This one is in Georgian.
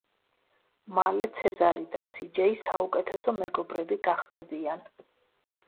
მალე ცეზარი და სიჯეი საუკეთესო მეგობრები გახდებიან.